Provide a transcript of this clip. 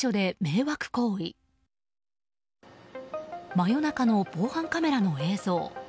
真夜中の防犯カメラの映像。